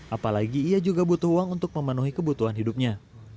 apalagi ia juga butuh uang untuk memenuhi kebutuhan hidupnya